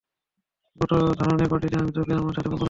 বড় ধরনের পার্টিতে আমি তোকে আমার সাথে কল্পনা করেছি।